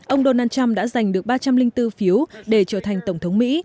ông donald trump đã giành được ba trăm linh bốn phiếu để trở thành tổng thống mỹ